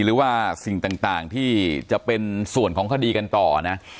หรือว่าสิ่งต่างที่จะเป็นส่วนของคดีกันต่อนะ